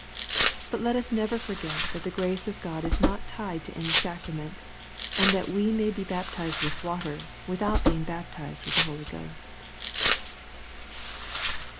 But let us never forget that the grace of God is not tied to any sacrament, and that we may De baptized with water, without being baptized with the Holy Ghost.